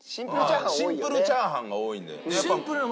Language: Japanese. シンプルチャーハンが多いんで。